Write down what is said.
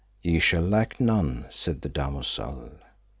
Ye shall lack none, said the damosel.